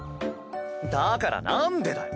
だからなんでだよ！